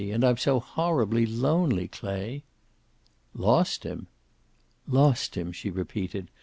And I'm so horribly lonely, Clay." "Lost him!" "Lost him," she repeated.